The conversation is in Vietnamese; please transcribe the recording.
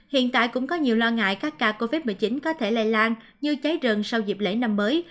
hiện tại cũng có nhiều lo ngại các ca covid một mươi chín có thể lây lan như cháy rừng sau dịp lễ năm mới